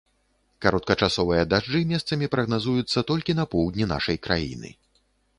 Кароткачасовыя дажджы месцамі прагназуюцца толькі на поўдні нашай краіны.